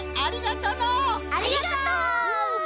ありがとう！